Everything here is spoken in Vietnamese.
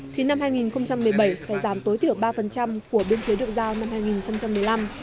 thì năm hai nghìn một mươi bảy phải giảm tối thiểu ba của biên chế được giao năm hai nghìn một mươi năm